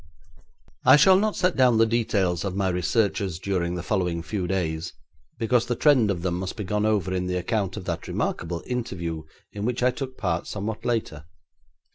I shall not set down the details of my researches during the following few days, because the trend of them must be gone over in the account of that remarkable interview in which I took part somewhat later.